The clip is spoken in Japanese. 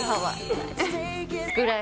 ぐらい